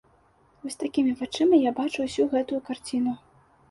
Вось такімі вачыма я бачу ўсю гэтую карціну.